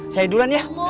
saya duluan ya